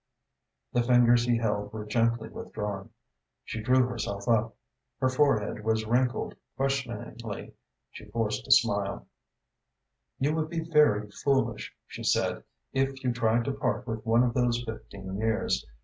The fingers he held were gently withdrawn. She drew herself up. Her forehead was wrinkled questioningly. She forced a smile. "You would be very foolish," she said, "if you tried to part with one of those fifteen years.